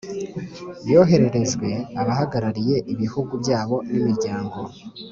yohererejwe abahagarariye ibihugu byabo n'imiryango